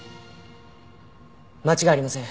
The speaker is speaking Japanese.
間違いありません。